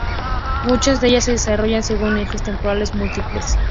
Muchas de ellas se desarrollan según ejes temporales múltiples.